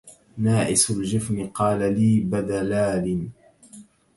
ناعس الجفن قال لي بدلال